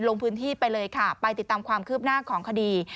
ลงพื้นที่ไปเลยค่ะไปติดตามความคืบหน้าของคดี